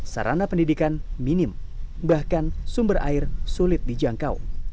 sarana pendidikan minim bahkan sumber air sulit dijangkau